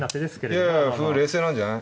いやいや歩は冷静なんじゃない？